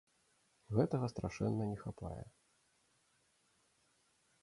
Гэтага страшэнна не хапае.